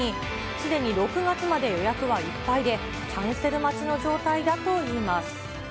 すでに６月まで予約はいっぱいで、キャンセル待ちの状態だといいます。